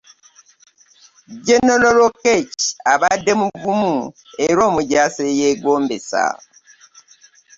General Lokech abadde muvumu era omujaasi eyeegombesa.